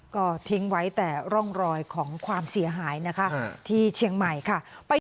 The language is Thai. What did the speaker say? ก็ทิ้งไว้แต่ร่องรอยของความเสียหายนะคะที่เชียงใหม่ค่ะ